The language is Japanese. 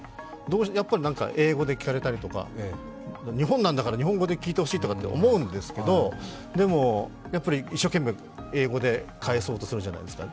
やっぱり何か英語で聞かれたりとか、日本なんだから日本語で聞いてほしいと思うんですけどでもやっぱり一生懸命、英語で返そうとするじゃないですか。